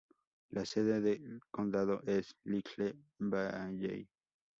La sede del condado es Little Valley.